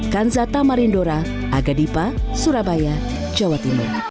kansa tamarindora agadipa surabaya jawa timur